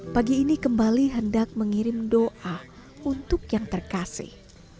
pagi ini kembali hendak mengirim doa untuk yang terkasih